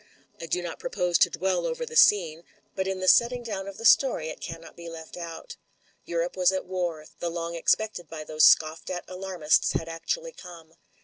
I do not pro pose to dwell over the scene, but in the setting down of the story it cannot be left out. Europe was at war; the long expected by those scoffed at alarmists had actually come.